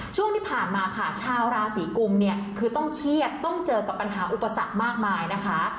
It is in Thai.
ช่วงที่ผ่านมาค่ะชาวราศีกุมเนี่ยคือต้องเครียดต้องเจอกับปัญหาอุปสรรคมากมายนะคะ